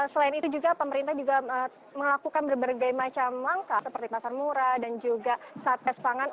selain itu juga pemerintah juga melakukan berbagai macam langkah seperti pasar murah dan juga satgas pangan